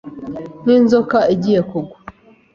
nk'inzoka igiye kugwa.